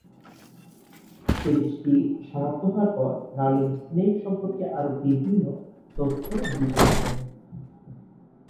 সিরিজটি সমাপ্ত হওয়ার পর রাউলিং স্নেইপ সম্পর্কে আরো বিভিন্ন তথ্য দিতে থাকেন।